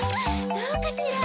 どうかしら？